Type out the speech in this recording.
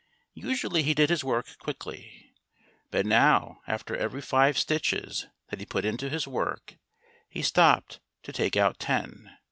Usually he did his work quickly. But now after every five stitches that he put into his work he stopped to take out ten.